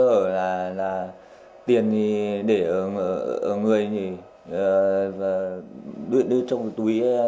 có sơ hở là tiền để ở người thì đưa trong túi vải mỏng quá hình hẳn khuất tiền lên